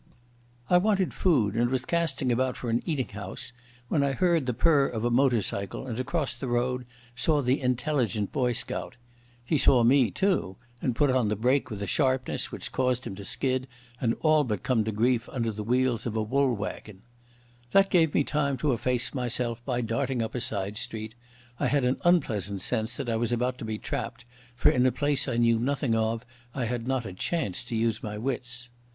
I wanted food and was casting about for an eating house when I heard the purr of a motor cycle and across the road saw the intelligent boy scout. He saw me, too, and put on the brake with a sharpness which caused him to skid and all but come to grief under the wheels of a wool wagon. That gave me time to efface myself by darting up a side street. I had an unpleasant sense that I was about to be trapped, for in a place I knew nothing of I had not a chance to use my wits.